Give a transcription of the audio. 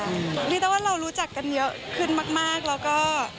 เรียกได้ว่าเรารู้จักกันเยอะขึ้นมากแล้วก็